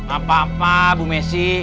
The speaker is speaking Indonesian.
apa apa bu messi